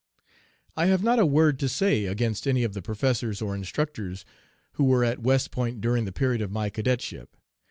I have not a world to say against any of the professors or instructors who were at West Point during the period of my cadetship.